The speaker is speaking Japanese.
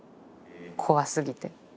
怖すぎて。